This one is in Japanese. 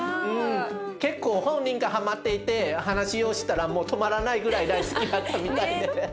結構本人がハマっていて話をしたらもう止まらないぐらい大好きだったみたいで。